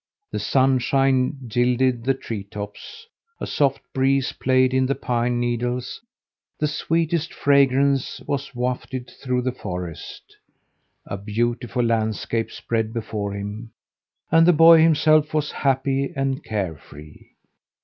The sunshine gilded the treetops; a soft breeze played in the pine needles; the sweetest fragrance was wafted through the forest; a beautiful landscape spread before him; and the boy himself was happy and care free.